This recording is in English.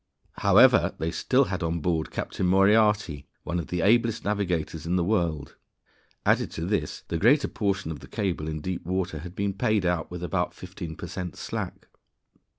However, they still had on board Captain Moriarty, one of the ablest navigators in the world. Added to this, the greater portion of the cable in deep water had been paid out with about 15 per cent slack.